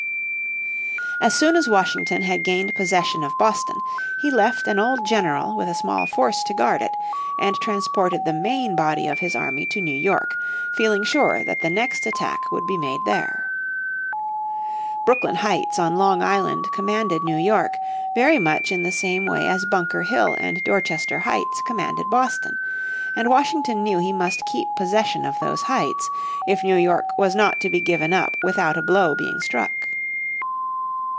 As soon as Washington had gained possession of Boston he left an old general with a small force to guard it, and transported the main body of his army to New York, feeling sure that the next attack would be made there. Brooklyn Heights on Long Island commanded New York, very much in the same way as Bunker Hill and Dorchester Heights commanded Boston, and Washington knew he must keep possession of those heights, if New York was not to be given up without a blow being struck.